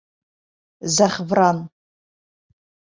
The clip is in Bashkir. Зәғфран.